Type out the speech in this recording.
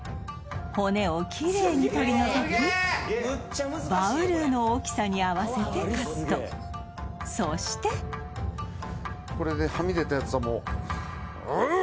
骨をきれいに取り除きバウルーの大きさに合わせてカットそしてこれでうお！